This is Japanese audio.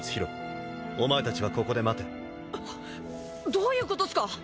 どういうことっすか！？